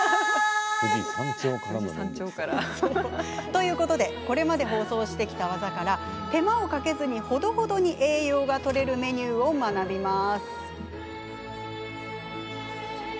ということで、これまで放送してきた技から手間をかけず、ほどほどに栄養がとれるメニューを学びます。